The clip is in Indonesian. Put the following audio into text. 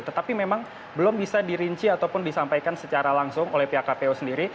tetapi memang belum bisa dirinci ataupun disampaikan secara langsung oleh pihak kpu sendiri